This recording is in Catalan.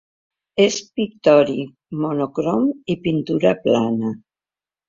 És pictòric, monocrom i pintura plana.